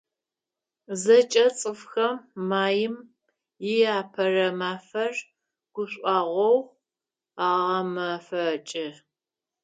ЗэкӀэ цӀыфхэм Маим и Апэрэ мафэр гушӀуагъоу агъэмэфэкӀы.